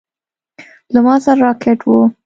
له ما سره راکټ و.